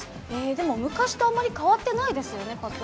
でも昔とあまり変わってないですよね。